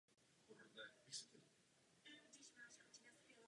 Účinky na pokožku mohou být léčivé nebo ochranné.